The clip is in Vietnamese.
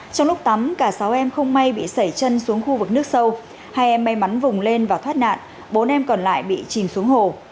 trong lúc tắm cả sáu em không may bị sẩy chân xuống khu vực nước sâu hai em may mắn vùng lên và thoát nạn bốn em còn lại bị chìm xuống hồ